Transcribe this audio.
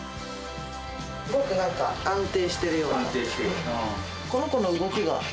すごくなんか安定してるような。